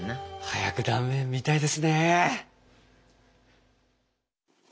早く断面が見たいですね。